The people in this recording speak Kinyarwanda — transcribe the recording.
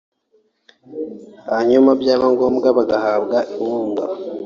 hanyuma byaba ngombwa bagahabwa inkunga